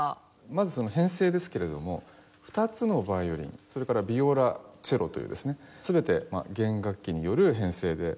まずその編成ですけれども２つのヴァイオリンそれからヴィオラチェロというですね全て弦楽器による編成で。